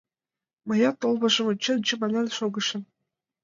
— Мыят толмыжым ончен чаманен шогышым.